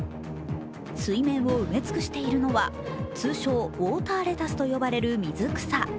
水面を埋め尽くしているのは通称、ウオーターレタスと呼ばれる水草。